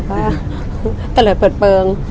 ก็ตลอดเปิดเปิง